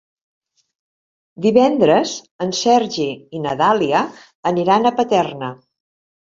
Divendres en Sergi i na Dàlia aniran a Paterna.